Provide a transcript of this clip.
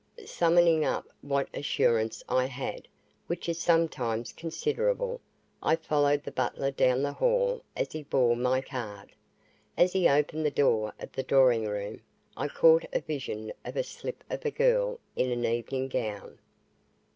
Summoning up what assurance I had, which is sometimes considerable, I followed the butler down the hall as he bore my card. As he opened the door of the drawing room I caught a vision of a slip of a girl, in an evening gown.